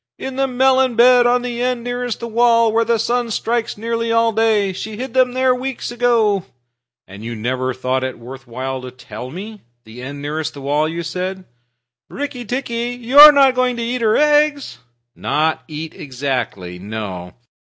"In the melon bed, on the end nearest the wall, where the sun strikes nearly all day. She hid them there weeks ago." "And you never thought it worth while to tell me? The end nearest the wall, you said?" "Rikki tikki, you are not going to eat her eggs?" "Not eat exactly; no.